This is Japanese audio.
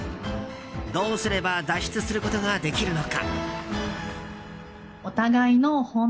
どうすれば脱出することができるのか？